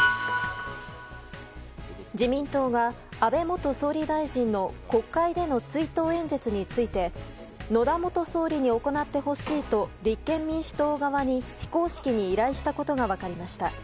自民党が安倍元総理大臣の国会での追悼演説について野田元総理に行ってほしいと立憲民主党側に非公式に依頼したことが分かりました。